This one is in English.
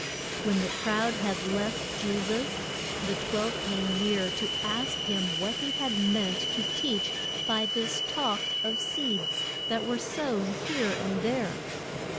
When the crowd had left Je sus, the twelve came near to ask him what he had meant to teach by this talk of seeds that were sown here and there.